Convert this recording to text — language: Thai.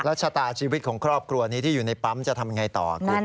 แล้วชะตาชีวิตของครอบครัวนี้ที่อยู่ในปั๊มจะทำยังไงต่อคุณ